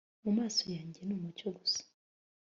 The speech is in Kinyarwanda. Mumaso yanjye numucyo gusa